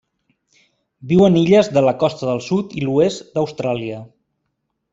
Viu en illes de la costa del sud i l'oest d'Austràlia.